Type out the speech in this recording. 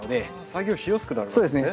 作業しやすくなるんですね。